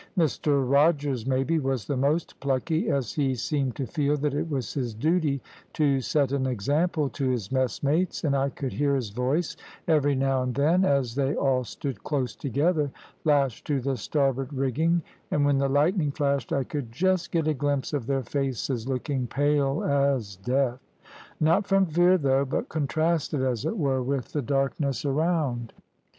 Mr Rogers, maybe, was the most plucky, as he seemed to feel that it was his duty to set an example to his messmates; and I could hear his voice every now and then, as they all stood close together, lashed to the starboard rigging, and when the lightning flashed I could just get a glimpse of their faces, looking pale as death not from fear, though, but contrasted, as it were, with the darkness around.